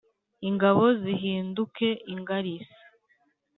ingabo zihinduke ingarisi